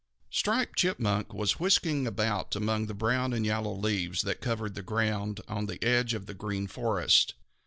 _ Striped Chipmunk was whisking about among the brown and yellow leaves that covered the ground on the edge of the Green Forest.